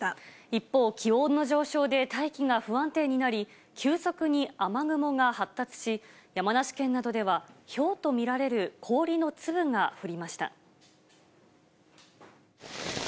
一方、気温の上昇で大気が不安定になり、急速に雨雲が発達し、山梨県などではひょうと見られる氷の粒が降りました。